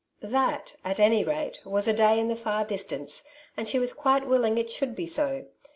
*' That at any rate was a day in the far distance, and she was quite willing it should be so.